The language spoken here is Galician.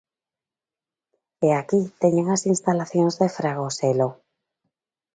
E aquí teñen as instalacións de Fragoselo.